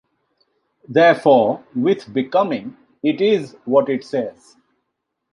Therefore, with 'Becoming,' it is what it says.